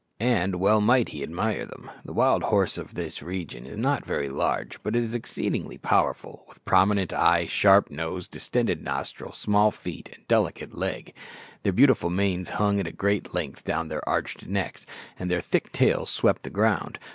And well might he admire them. The wild horse of these regions is not very large, but it is exceedingly powerful, with prominent eye, sharp nose, distended nostril, small feet, and a delicate leg. Their beautiful manes hung at great length down their arched necks, and their thick tails swept the ground.